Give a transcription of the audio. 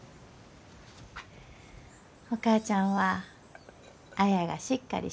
お母ちゃんは綾がしっかりしゆうき